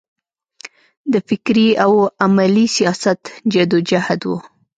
د فکري او عملي سیاست جدوجهد و.